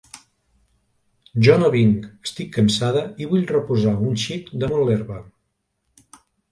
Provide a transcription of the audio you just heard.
Jo no vinc: estic cansada i vull reposar un xic damunt l'herba.